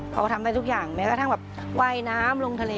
เขาก็ทำได้ทุกอย่างแม้กระทั่งแบบว่ายน้ำลงทะเล